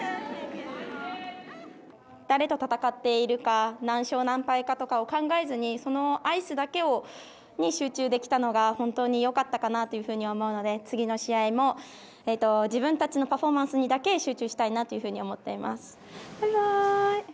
誰と戦っているか何勝何敗かとか考えずにそのアイスだけに集中できたのが本当によかったかなというふうに思うので、次の試合も自分たちのパフォーマンスにだけ集中したいなというふうに思っています。